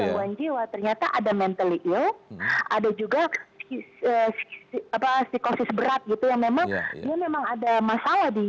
gangguan jiwa ternyata ada mental ada juga apa psikosis berat gitu yang memang dia memang ada masalah di